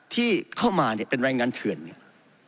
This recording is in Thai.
ที่เข้ามาเนี่ยเป็นแรงงานเถื่อนเนี่ย